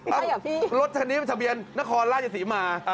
เอ้ารถทันนี้มันทะเบียนนครราชศรีมา